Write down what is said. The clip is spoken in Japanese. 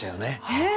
えっ？